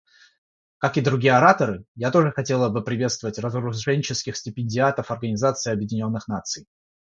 Как и другие ораторы, я тоже хотела бы приветствовать разоруженческих стипендиатов Организации Объединенных Наций.